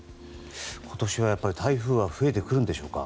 今年は台風は増えてくるんでしょうか？